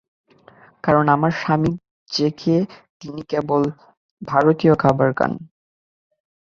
কারণ আমার স্বামী যেকে তিনি কেবল ভারতীয় খাবার খান।